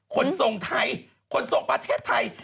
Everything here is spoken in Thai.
คนทรงไทยขนส่งประเทศไทย